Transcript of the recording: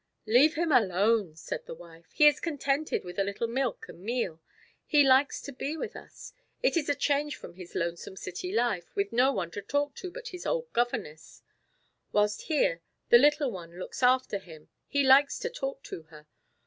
"Leave him alone," said the wife. "He is contented with a little milk and meal. He likes to be with us; it is a change from his lonesome city life, with no one to talk to but his old governess; whilst here the little one looks after him. He likes to talk to her.